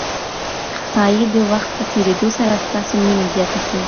ښايي د وخت په تېرېدو سره ستاسو مینه زیاته سی.